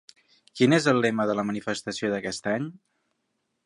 Quin és el lema de la manifestació d'aquest any?